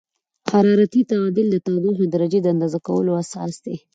حرارتي تعادل د تودوخې درجې د اندازه کولو اساس دی.